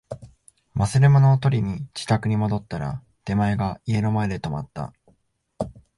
忘れ物を取りに自宅に戻ったら、出前が家の前で止まった